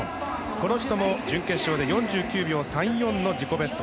この人も準決勝で４９秒３４の自己ベスト。